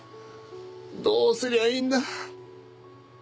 どうすりゃいいんだ。